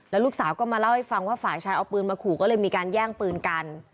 ลูกสาวก็มาเล่าให้ฟังว่าฝ่ายชายเอาปืนมาขู่ก็เลยมีการแย่งปืนกัน